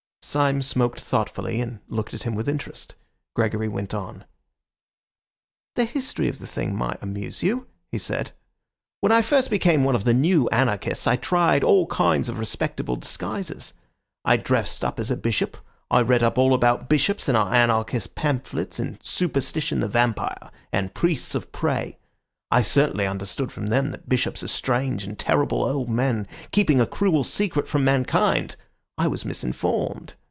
Syme smoked thoughtfully, and looked at him with interest. Gregory went on. "The history of the thing might amuse you," he said. "When first I became one of the New Anarchists I tried all kinds of respectable disguises. I dressed up as a bishop. I read up all about bishops in our anarchist pamphlets, in Superstition the Vampire and Priests of Prey. I certainly understood from them that bishops are strange and terrible old men keeping a cruel secret from mankind. I was misinformed.